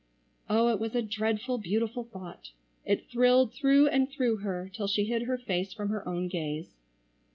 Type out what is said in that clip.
Oh, it was a dreadful, beautiful thought. It thrilled through and through her till she hid her face from her own gaze.